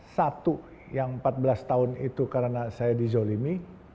satu yang empat belas tahun itu karena saya dizolimi